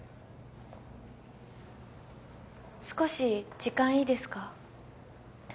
少し時間いいですか？